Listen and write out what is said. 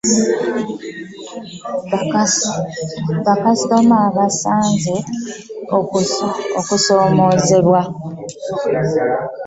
Bakaasitoma basanze okusoomoozebwa.